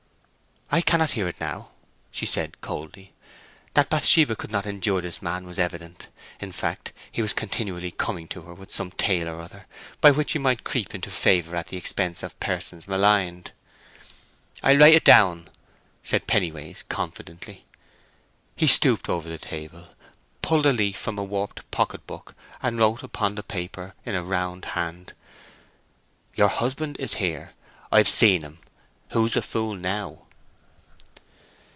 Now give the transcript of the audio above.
"I cannot hear it now," she said, coldly. That Bathsheba could not endure this man was evident; in fact, he was continually coming to her with some tale or other, by which he might creep into favour at the expense of persons maligned. "I'll write it down," said Pennyways, confidently. He stooped over the table, pulled a leaf from a warped pocket book, and wrote upon the paper, in a round hand— "_Your husband is here. I've seen him. Who's the fool now?